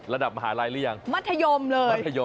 ระดับมหาลัยหรือยังมัธยมเลย